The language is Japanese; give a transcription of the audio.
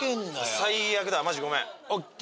最悪だわマジごめんＯＫ